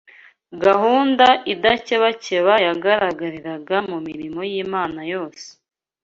Gahunda idakebakeba yagaragariraga mu mirimo y’Imana yose